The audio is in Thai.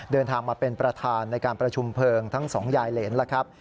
เดินทางมาเป็นประธานในการประชุมเพลิงทั้งสองยายเหรนแล้วครับ